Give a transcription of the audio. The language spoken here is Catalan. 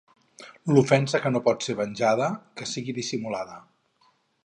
L'ofensa que no pot ser venjada, que sigui dissimulada.